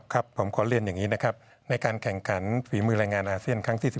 ครับผมขอเรียนอย่างนี้นะครับในการแข่งขันฝีมือแรงงานอาเซียนครั้งที่๑